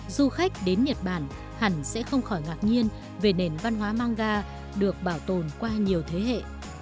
du khách đến nhật bản hẳn sẽ không khỏi ngạc nhiên về nền văn hóa mangga được bảo tồn qua nhiều thế hệ